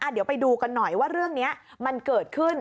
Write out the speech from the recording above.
เดี๋ยวไปดูกันหน่อยว่าเรื่องนี้มันเกิดขึ้น